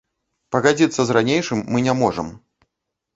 Пагадзіцца з ранейшым мы не можам.